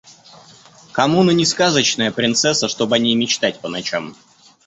Коммуна не сказочная принцесса, чтоб о ней мечтать по ночам.